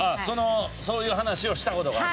そういう話をした事がある。